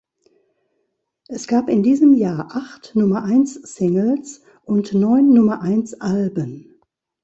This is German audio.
Es gab in diesem Jahr acht Nummer-eins-Singles und neun Nummer-eins-Alben.